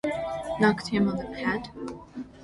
Knocked him on the head?